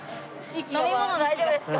飲み物大丈夫ですか？